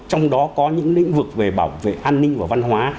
trong đó có những lĩnh vực về bảo vệ an ninh và văn hóa